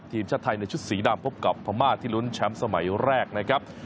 ทีมชาติไทยในชุดสีดำพบกับพม่าที่ลุ้นแชมป์สมัยแรกนะครับ